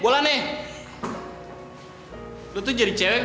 lo tuh jadi cewek